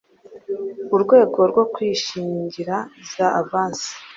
urwego rwo kwishingira za avansi